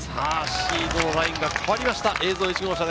シード権のラインが変わりました。